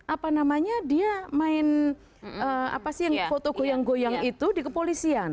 apa namanya dia main foto goyang goyang itu di kepolisian